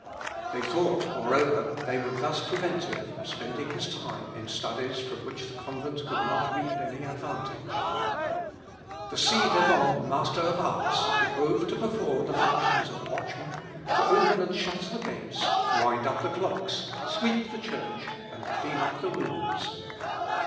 They thought, moreover, they would thus prevent him from spending his time in studies from which the convent could not reap any advantage. The ci devant Master of Arts behoved to perform the functions of watchman, to open and shut the gates, wind up the clocks, sweep the church, and clean up the rooms.